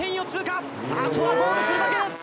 あとはゴールするだけです！